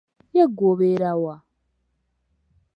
Ye ggwe obeera wa?